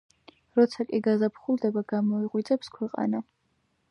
როცა კი გაზაფხულდება გამოიღვიძებს ქვეყანა